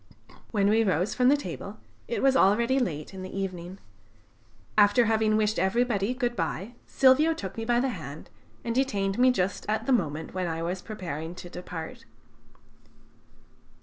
When we rose from the table it was already late in the evening. After having wished everybody good bye, Silvio took me by the hand and detained me just at the moment when I was preparing to depart.